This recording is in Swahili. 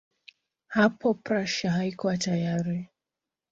Hapo Prussia haikuwa tayari.